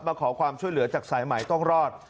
มาขอความช่วยเหลือจากสายใหม่ต้องรอด